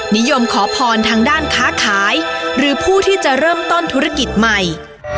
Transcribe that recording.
นิยมขอพรทางด้านค้าขายหรือผู้ที่จะเริ่มต้นธุรกิจใหม่